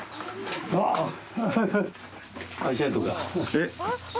えっ？